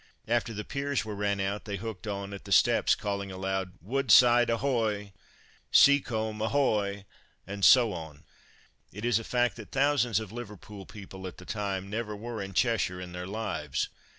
After the piers were ran out they hooked on at the steps calling aloud, "Woodside, ahoy!" "Seacombe, ahoy!" and so on. It is a fact that thousands of Liverpool people at that time never were in Cheshire in their lives.